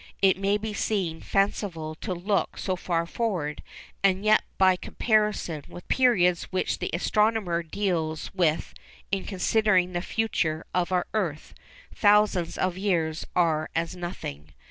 It may seem fanciful to look so far forward, and yet by comparison with the periods which the astronomer deals with in considering the future of our earth, thousands of years are as nothing.